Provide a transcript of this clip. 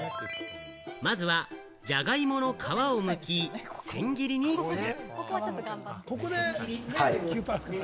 まずはジャガイモの皮をむき、千切りにする。